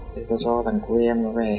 thì tôi cho thằng cô em nó về